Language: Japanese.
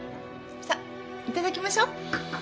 さあいただきましょう